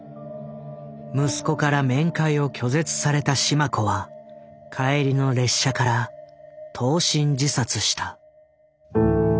息子から面会を拒絶された志満子は帰りの列車から投身自殺した。